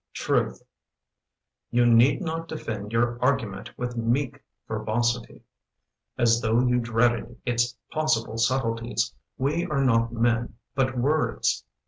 Truth You need not defend your argument With meek verbosity, As though you dreaded its possible subtleties. We are not men, but words!